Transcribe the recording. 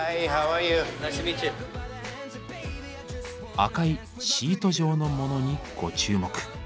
赤いシート状のモノにご注目。